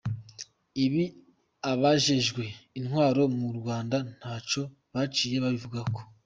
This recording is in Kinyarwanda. Ibi abajejwe intwaro mu Rwanda ntaco baciye babivugako.